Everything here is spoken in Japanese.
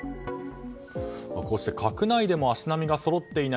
こうした閣内でも足並みがそろっていない。